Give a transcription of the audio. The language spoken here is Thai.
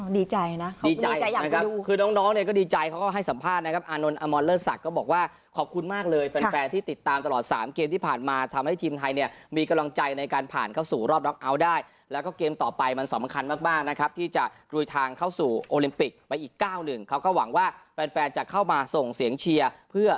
ดีใจนะดีใจอยากมาดูคือน้องก็ดีใจเขาก็ให้สัมภาษณ์นะครับอานนท์อมอลเลิศักดิ์ก็บอกว่าขอบคุณมากเลยเป็นแฟนที่ติดตามตลอด๓เกมที่ผ่านมาทำให้ทีมไทยเนี่ยมีกำลังใจในการผ่านเข้าสู่รอบด๊อกเอาท์ได้แล้วก็เกมต่อไปมันสำคัญมากนะครับที่จะรุยทางเข้าสู่โอลิมปิกไปอีก๙หนึ่งเขาก็หวังว่าแ